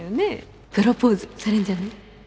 プロポーズされんじゃない？